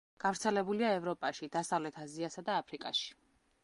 გავრცელებულია ევროპაში, დასავლეთ აზიასა და აფრიკაში.